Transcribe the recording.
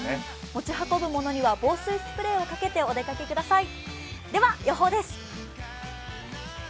持ち運ぶものには防水スプレーをかけてお出かけください。